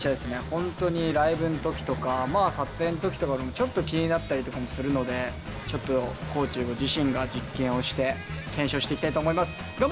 本当にライブの時とかまあ撮影の時とかでもちょっと気になったりとかもするのでちょっと地自身が実験をして検証していきたいと思います。